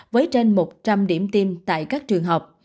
với trên một trăm linh điểm tiêm tại các trường học